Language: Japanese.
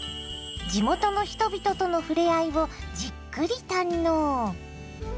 地元の人々との触れ合いをじっくり堪能。